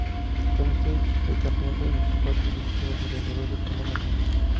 Con esto el campeonato, en su fase definitiva, se reanudó de forma normal.